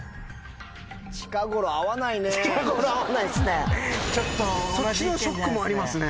近頃合わないっすね